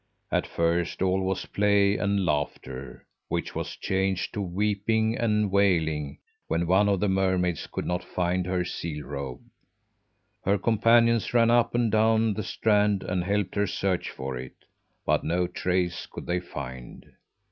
At first all was play and laughter, which was changed to weeping and wailing when one of the mermaids could not find her seal robe. Her companions ran up and down the strand and helped her search for it, but no trace could they find.